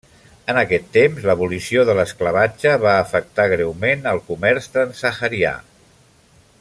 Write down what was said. En aquest temps, l'abolició de l'esclavatge va afectar greument el comerç transsaharià.